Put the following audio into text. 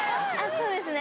そうですね